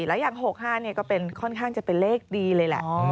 แล้วอย่าง๖๕ก็เป็นค่อนข้างจะเป็นเลขดีเลยแหละ